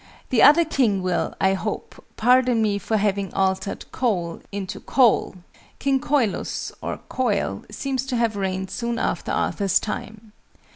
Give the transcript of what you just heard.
The other King will, I hope, pardon me for having altered "Coal" into "Cole." King Coilus, or Coil, seems to have reigned soon after Arthur's time.